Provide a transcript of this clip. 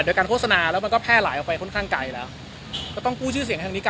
ทางเกยรท์โทรมาช่วงเวลาประมาณวันนี้๑๐๐๐นิดอะคะ